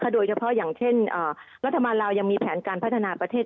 โดยเฉพาะอย่างเช่นรัฐบาลลาวยังมีแผนการพัฒนาประเทศ